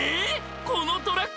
このトラック